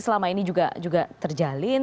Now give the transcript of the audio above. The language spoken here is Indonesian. selama ini juga terjalin